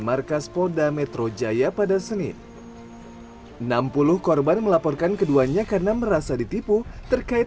markas polda metro jaya pada senin enam puluh korban melaporkan keduanya karena merasa ditipu terkait